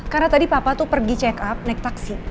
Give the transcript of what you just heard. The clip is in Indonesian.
karena tadi papa tuh pergi check up naik taksi